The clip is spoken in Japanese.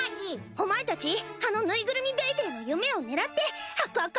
お前たちあのぬいぐるみベイベーの夢を狙ってあくあく